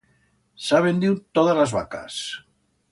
S'ha vendiu todas las vacas.